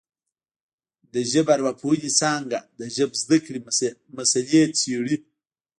د ژبارواپوهنې څانګه د ژبزده کړې مسالې څېړي